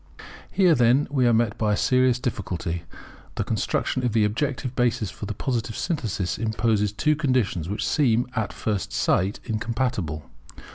Here, then, we are met by a serious difficulty. The construction of the objective basis for the Positive synthesis imposes two conditions which seem, at first sight, incompatible.